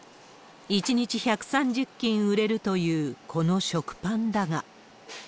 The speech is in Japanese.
１日１３０斤売れるというこの食パンだが。